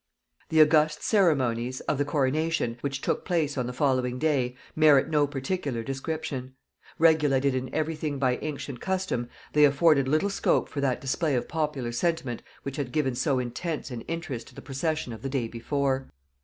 The august ceremonies of the coronation, which took place on the following day, merit no particular description; regulated in every thing by ancient custom, they afforded little scope for that display of popular sentiment which had given so intense an interest to the procession of the day before.